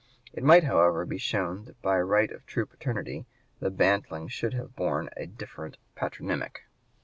It might, however, be shown that by right of true paternity the bantling should have borne a different patronymic.